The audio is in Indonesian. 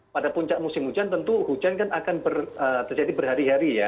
pada puncak musim hujan tentu hujan kan akan terjadi berhari hari ya